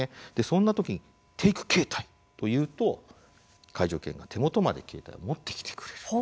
そんなときに「ＴＡＫＥ携帯」と言うと介助犬が手元まで携帯を持ってきてくれる。